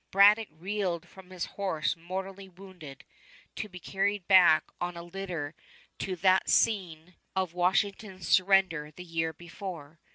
Braddock reeled from his horse mortally wounded, to be carried back on a litter to that scene of Washington's surrender the year before.